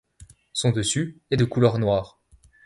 Son dessus est de couleur noire.